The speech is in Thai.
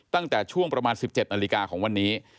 ตั้งแต่ช่วงประมาณ๑๗นาฬิกาของวันนี้